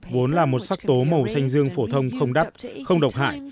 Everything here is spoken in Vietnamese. vốn là một sắc tố màu xanh dương phổ thông không đắt không độc hại